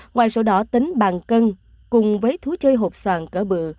ngoài sổ đỏ tính bằng cân cùng với thú chơi hộp soàn cỡ bự